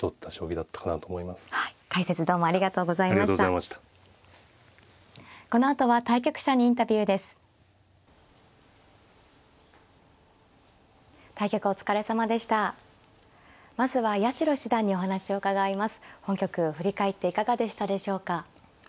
本局を振り返っていかがでしたでしょうか。